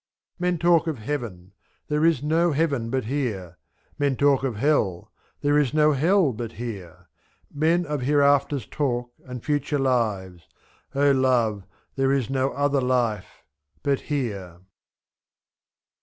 Men talk of heaven, — there is no heaven but here ; Men talk of hell, — there is no hell but here ; ^7. Men of hereafters talk, and future lives, — O love, there is no other life — but here.